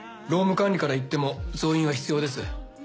労務管理から言っても増員は必要です。